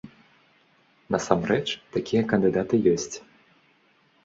Насамрэч, такія кандыдаты ёсць.